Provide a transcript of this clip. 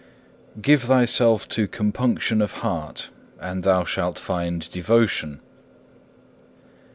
Give thyself to compunction of heart and thou shalt find devotion.